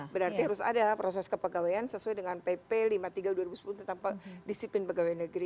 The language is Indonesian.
berarti harus ada proses kepegawaian sesuai dengan pp lima puluh tiga dua ribu sepuluh tentang disiplin pegawai negeri